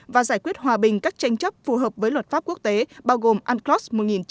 và giải quyết hòa bình các tranh chấp phù hợp với luật pháp quốc tế bao gồm unclos một nghìn chín trăm tám mươi hai